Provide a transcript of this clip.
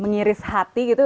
mengiris hati gitu